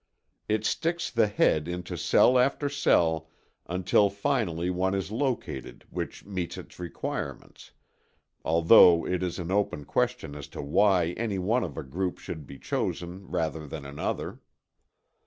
It sticks the head into cell after cell until finally one is located which meets its requirements, although it is an open question as to why any one of a group should be chosen rather than another.